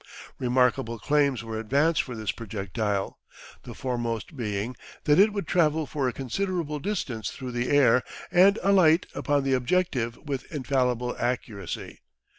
Remarkable claims were advanced for this projectile, the foremost being that it would travel for a considerable distance through the air and alight upon the objective with infallible accuracy.